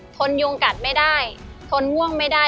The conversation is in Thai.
นยุงกัดไม่ได้ทนง่วงไม่ได้